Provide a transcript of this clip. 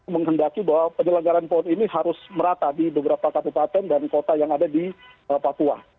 menghendaki bahwa penyelenggaran pon ini harus merata di beberapa kabupaten dan kota yang ada di papua